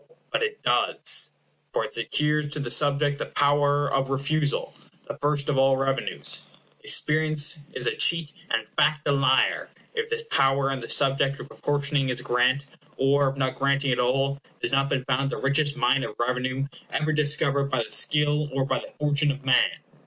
But it does; for it secures to the subject the power or refusal, the first of all revenues. Experience is a cheat, and fact a liar, if this power in the subject of proportioning his grant, or of not granting at all, has not been found the richest mine of revenue ever discovered by the skill or by the fortune of man.